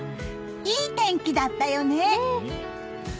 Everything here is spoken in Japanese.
いい天気だったよね！